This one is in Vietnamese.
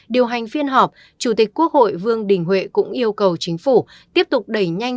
điều hành phiên họp chủ tịch quốc hội vương đình huệ cũng yêu cầu chính phủ tiếp tục đẩy nhanh